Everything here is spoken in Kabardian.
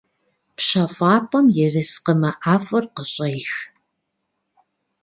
ПщэфӀапӀэм ерыскъымэ ӀэфӀыр къыщӀех…